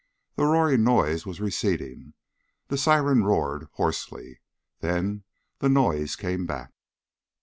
The roaring noise was receding. The siren roared hoarsely. Then the noise came back.